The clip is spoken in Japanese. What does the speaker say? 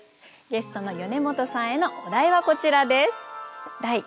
ゲストの米本さんへのお題はこちらです。